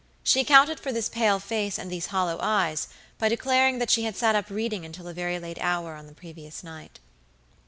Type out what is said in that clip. She accounted for this pale face and these hollow eyes by declaring that she had sat up reading until a very late hour on the previous night.